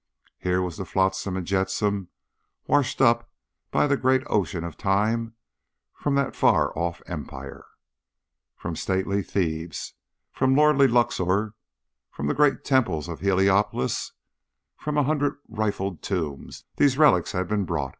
Here was the flotsam and jetsam washed up by the great ocean of time from that far off empire. From stately Thebes, from lordly Luxor, from the great temples of Heliopolis, from a hundred rifled tombs, these relics had been brought.